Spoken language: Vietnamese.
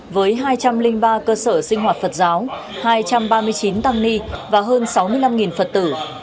với hai trăm linh ba cơ sở sinh hoạt phật giáo hai trăm ba mươi chín tăng ni và hơn sáu mươi năm phật tử